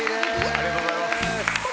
ありがとうございます。